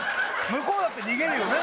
向こうだって逃げるよね